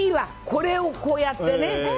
これをこうやってね。